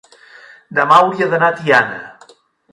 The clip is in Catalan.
demà hauria d'anar a Tiana.